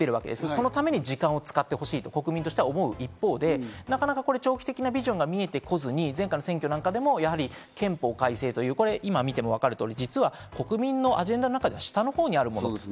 そのために時間を使ってほしいと国民としては思う一方、長期的なビジョンが見えてこずに、前回の選挙なんかでも憲法改正という、実は国民のアジェンダの中では、下のほうにある。